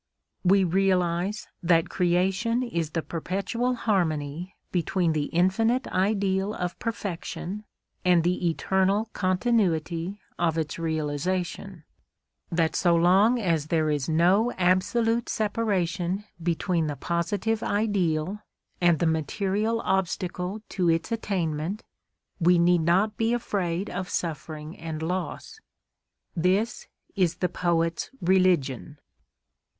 We realise that Creation is the perpetual harmony between the infinite ideal of perfection and the eternal continuity of its realisation; that so long as there is no absolute separation between the positive ideal and the material obstacle to its attainment, we need not be afraid of suffering and loss. This is the poet's religion.